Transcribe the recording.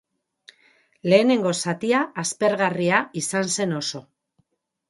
Lehenengo zatia aspergarria izan zen oso.